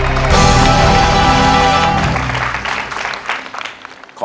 ไม่ใช้ครับ